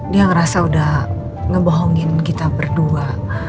dia ngerasa udah ngebohongin kita berdua